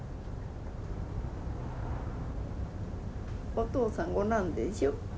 お父さんがおらんでしょ。